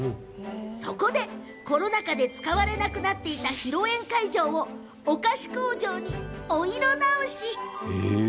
そこで、コロナ禍で使われなくなっていた披露宴会場をお菓子工場にお色直し。